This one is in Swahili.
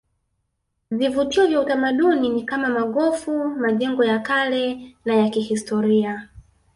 Vivutio vya utamaduni ni kama magofu majengo ya kale na ya kihistoria